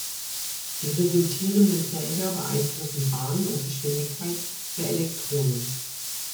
Die resultierenden Felder beeinflussen Bahn und Geschwindigkeit der Elektronen.